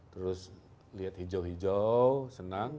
terus lihat hijau hijau senang